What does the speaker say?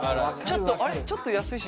ちょっとあれちょっと安いし。